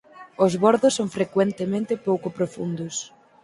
Os bordos son frecuentemente pouco profundos.